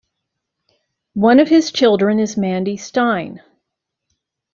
One of his children is Mandy Stein.